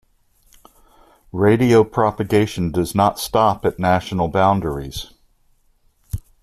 Radio propagation does not stop at national boundaries.